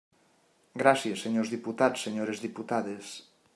Gràcies, senyors diputats, senyores diputades.